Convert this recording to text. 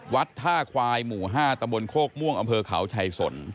วัดท่าควายหมู่๕ตำบลโคกม่วงอำเภอเขาชัยสน